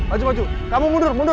aku tidak bisa